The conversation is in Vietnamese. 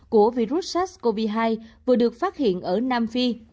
của virus sars cov hai vừa được phát hiện ở nam phi